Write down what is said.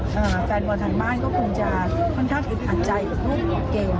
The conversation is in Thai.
วันนี้ในเกมแฟนบอร์ทันบ้านคงจะค่อนข้างอิดอันใจกับรูปเกม